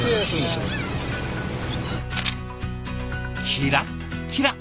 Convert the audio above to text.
キラッキラ！